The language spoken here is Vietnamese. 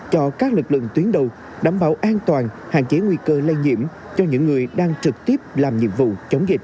cho các lực lượng tuyến đầu đảm bảo an toàn hạn chế nguy cơ lây nhiễm cho những người đang trực tiếp làm nhiệm vụ chống dịch